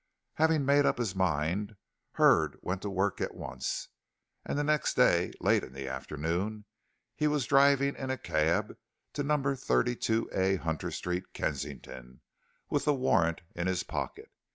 Having made up his mind Hurd went to work at once, and the next day, late in the afternoon, he was driving in a cab to No. 32A Hunter Street, Kensington, with the warrant in his pocket.